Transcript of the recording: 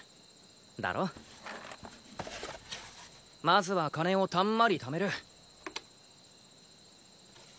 まずは金をたんまり貯める。